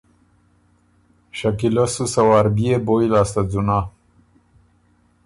شکیلۀ سُو سۀ وار بيې بویٛ لاسته ځُونَۀ۔